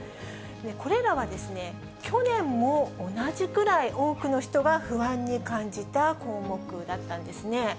これらは、去年も同じくらい多くの人が不安に感じた項目だったんですね。